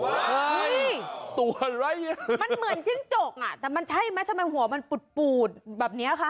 เฮ้ยตัวอะไรอ่ะมันเหมือนจิ้งจกอ่ะแต่มันใช่ไหมทำไมหัวมันปูดปูดแบบเนี้ยค่ะ